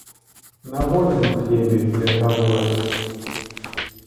На вольным хлебе, як гавораць.